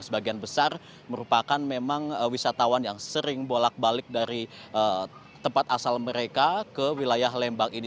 sebagian besar merupakan memang wisatawan yang sering bolak balik dari tempat asal mereka ke wilayah lembang ini